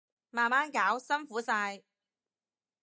慢慢搞，辛苦晒